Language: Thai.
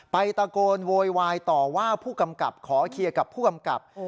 ตะโกนโวยวายต่อว่าผู้กำกับขอเคลียร์กับผู้กำกับ